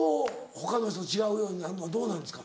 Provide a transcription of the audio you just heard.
他の人と違うようになんの？どうなんですか？